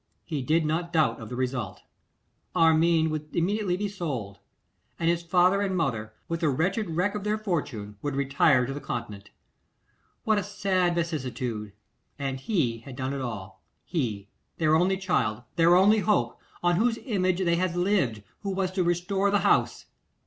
He did not doubt of the result. Armine would immediately be sold, and his father and mother, with the wretched wreck of their fortune, would retire to the Continent. What a sad vicissitude! And he had done it all; he, their only child, their only hope, on whose image they had lived, who was to restore the house.